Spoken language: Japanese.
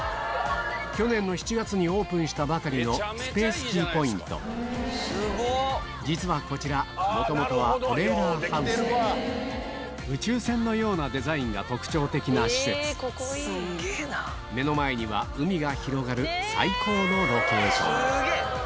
去年の７月にオープンしたばかりの実はこちら元々は宇宙船のようなデザインが特徴的な施設目の前には海が広がる最高のロケーション